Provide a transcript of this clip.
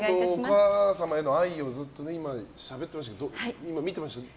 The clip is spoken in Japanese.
お母様への愛をずっとしゃべってましたけど今、見ていましたか？